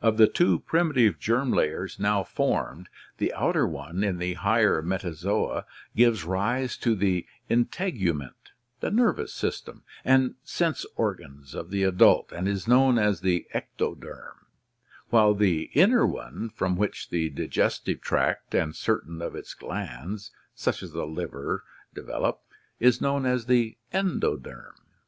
Of the two primitive germ layers now formed, the outer one in the higher Metazoa gives rise to the integument, nervous system, and sense organs of the adult and is known as the ectoderm, while the inner one, from which the digestive tract and certain of its glands, such as the liver, develop, is known as the endoderm (see Fig.